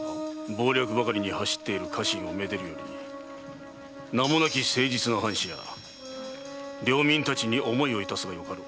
謀略ばかりに走っている家臣を愛でるより名もなき誠実な藩士や領民たちに想いをいたすがよかろう。